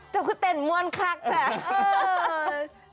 เจ้าคือเต่นมวลคักส์แสดง